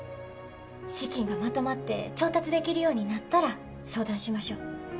資金がまとまって調達できるようになったら相談しましょう。